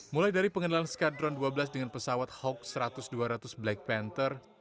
mulai dari pengenalan skadron dua belas dengan pesawat hawk satu ratus dua ratus black panther